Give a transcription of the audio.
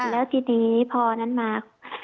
แล้วทีนี้พอนั้นมา